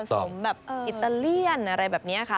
สมแบบอิตาเลียนอะไรแบบนี้ค่ะ